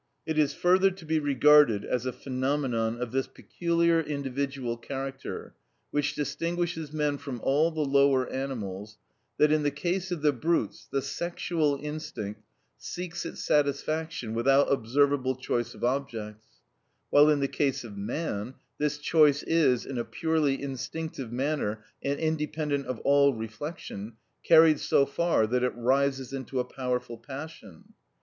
(34) It is further to be regarded as a phenomenon of this peculiar individual character which distinguishes men from all the lower animals, that in the case of the brutes the sexual instinct seeks its satisfaction without observable choice of objects, while in the case of man this choice is, in a purely instinctive manner and independent of all reflection, carried so far that it rises into a powerful passion.